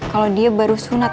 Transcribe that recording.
kalau dia baru sunat